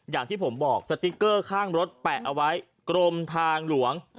อย่างที่ผมบอกสติ๊กเกอร์ข้างรถแปะเอาไว้กรมทางหลวง